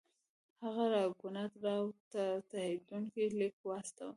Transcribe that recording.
هغه راګونات راو ته تهدیدونکی لیک واستاوه.